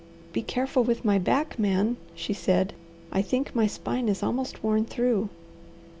"Be careful with my back, Man," she said. "I think my spine is almost worn through."